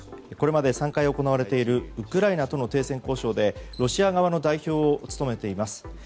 これまで３回行われているウクライナとの停戦交渉でロシア側の代表を務めています。